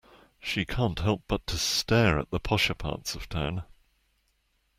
She can't help but to stare at the posher parts of town.